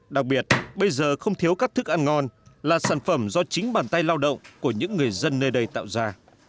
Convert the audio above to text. đặc biệt bây giờ không thiếu các thức ăn ngon là sản phẩm do chính bàn tay lao động của những người dân nơi đây tạo ra